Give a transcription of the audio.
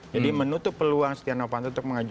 jadi menutup peluang stiano fanto untuk mengajukan